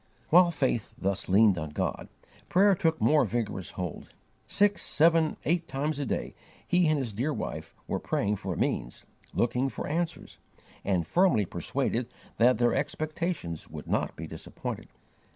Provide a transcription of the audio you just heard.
While faith thus leaned on God, prayer took more vigorous hold. Six, seven, eight times a day, he and his dear wife were praying for means, looking for answers, and firmly persuaded that their expectations would not be disappointed.